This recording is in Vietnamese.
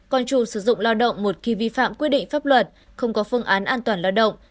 còn chủ sử dụng lao động một khi vi phạm quy định pháp luật không có phương án an toàn lao động